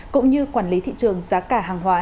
cũng như quản lý thị trường giá cả hàng hóa